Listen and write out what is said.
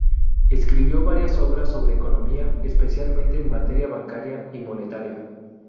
Escribió varias obras sobre economía, especialmente en materia bancaria y monetaria.